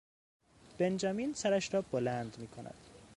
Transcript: بنجامین سرش را بلند میکند